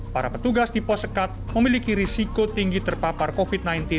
para petugas di pos sekat memiliki risiko tinggi terpapar covid sembilan belas